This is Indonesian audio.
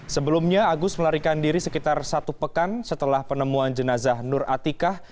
sebelumnya agus melarikan diri sekitar satu pekan setelah penemuan jenazah nur atikah